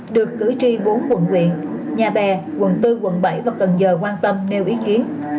được cử tri bốn quận quyện nhà bè quận bốn quận bảy và cần giờ quan tâm nêu ý kiến